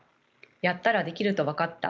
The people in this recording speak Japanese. やったらできると分かった。